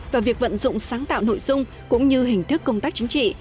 và việc vận dụng sáng tạo nội dung cũng như hình thức công tác chính trị